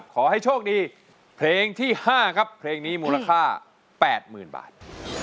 ขอให้โชคดีเพลงที่๕ครับเพลงนี้มูลค่า๘๐๐๐บาท